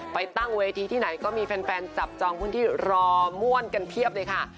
ตั้งเวทีที่ไหนก็มีแฟนจับจองพื้นที่รอบ่วนกันเพียบเลยค่ะ